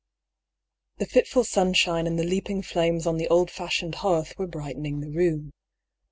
The fitful sunshine and the leaping flames on the old fashioned hearth were brightening the room.